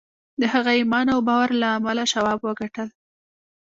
د هغه ایمان او باور له امله شواب وګټل